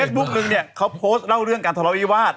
บุ๊คนึงเนี่ยเขาโพสต์เล่าเรื่องการทะเลาวิวาส